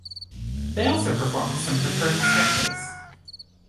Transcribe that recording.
They also performed some recurring sketches.